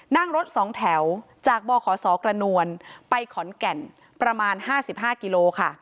นั่งรถ๒แถวจากบขศกระนวลไปขอนแก่นประมาณ๕๕กิโลค่ะ